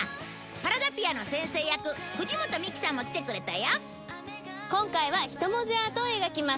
パラダピアの先生役藤本美貴さんも来てくれたよ